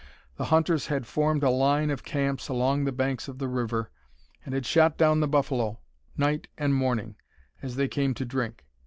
The hunters had formed a line of camps along the banks of the river, and had shot down the buffalo, night and morning, as they came to drink.